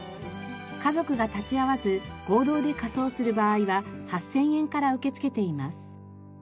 家族が立ち会わず合同で火葬する場合は８０００円から受け付けています。